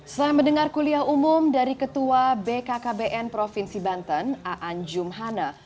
selain mendengar kuliah umum dari ketua bkkbn provinsi banten aan jumhana